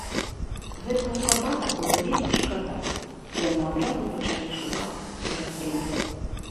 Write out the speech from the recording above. Гэтага сабаку было вельмі шкада, яму адразу пачалі шукаць ператрымку.